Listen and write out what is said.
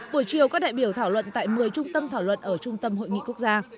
buổi chiều các đại biểu thảo luận tại một mươi trung tâm thảo luận ở trung tâm hội nghị quốc gia